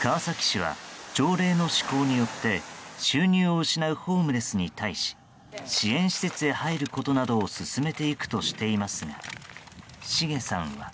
川崎市は条例の施行によって収入を失うホームレスに対し支援施設に入ることなどを勧めていくとしていますがシゲさんは。